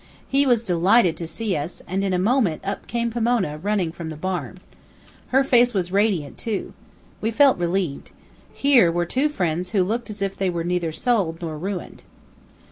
He was delighted to see us, and in a moment up came Pomona, running from the barn. Her face was radiant, too. We felt relieved. Here were two friends who looked as if they were neither sold nor ruined.